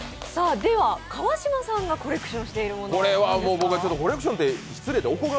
では川島さんがコレクションしているものは何ですか？